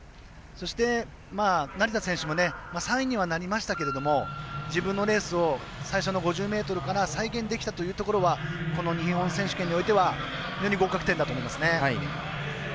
そして、成田選手も３位にはなりましたけれども自分のレースを最初の５０ｍを再現できたというのはこの日本選手権においては非常に合格点だと思いますね。